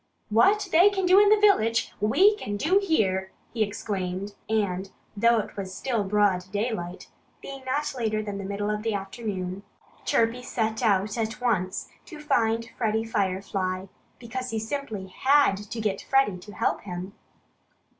"What they can do in the village, we can do here!" he exclaimed. And though it was still broad daylight being not later than the middle of the afternoon Chirpy set out at once to find Freddie Firefly, because he simply had to get Freddie to help him.